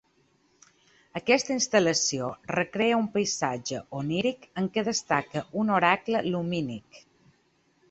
Aquesta instal·lació recrea un paisatge oníric en què destaca un oracle lumínic.